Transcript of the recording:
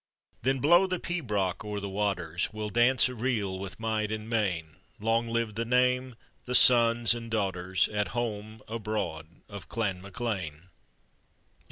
Then blow the pibroch o'er the waters We'll dance a reel with might and main, Long live the name, the sons, and daughters, At home, abroad, of Clan MacLean !